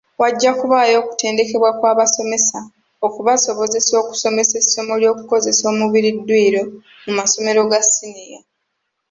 Wajja kubaayo okutendekebwa kw'abasomesa okubasobozesa okusomesa essomo ly'okukozesa omubiri dduyiro mu masomero ga siniya.